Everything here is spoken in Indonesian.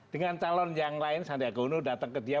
dengan calon yang lain sandiaga uno datang ke dia